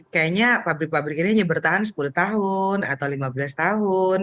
kayaknya pabrik pabrik ini hanya bertahan sepuluh tahun atau lima belas tahun